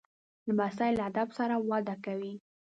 لمسی له ادب سره وده کوي.